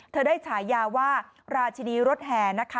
ได้ฉายาว่าราชินีรถแห่นะคะ